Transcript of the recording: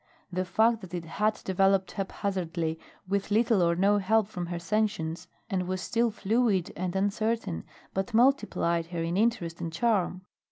The fact that it had developed haphazardly, with little or no help from her sentience, and was still fluid and uncertain, but multiplied her in interest and charm.